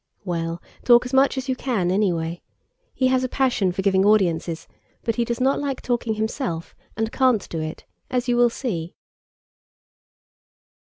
"Well, talk as much as you can, anyway. He has a passion for giving audiences, but he does not like talking himself and can't do it, as you will see."